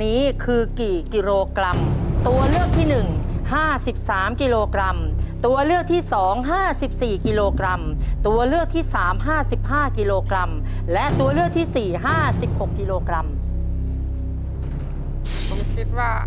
เห็นห้าตาเขาหมดแล้วครับ